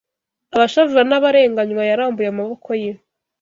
abashavura n’abarenganywa, yarambuye amaboko ye